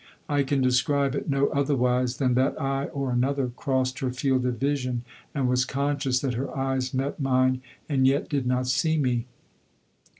I can describe it no otherwise than that I, or another, crossed her field of vision and was conscious that her eyes met mine and yet did not see me.